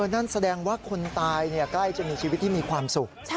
นั่นแสดงว่าคนตายใกล้จะมีชีวิตที่มีความสุข